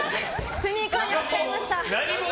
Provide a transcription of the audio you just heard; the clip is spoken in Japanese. スニーカーに履き替えました。